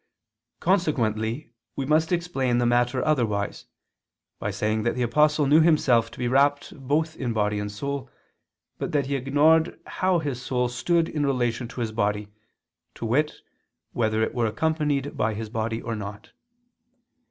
Consequently we must explain the matter otherwise, by saying that the Apostle knew himself to be rapt both in soul and body, but that he ignored how his soul stood in relation to his body, to wit, whether it were accompanied by his body or not.